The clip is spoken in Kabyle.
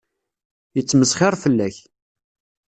Yettmesxiṛ fell-ak.